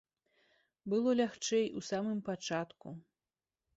Было лягчэй ў самым пачатку.